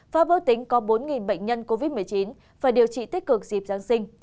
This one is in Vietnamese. pháp báo tính có bốn bệnh nhân covid một mươi chín và điều trị tích cực dịp giáng sinh